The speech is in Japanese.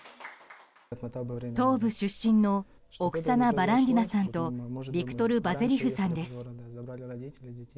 東部出身のオクサナ・バランディナさんとビクトル・バゼリフさんです。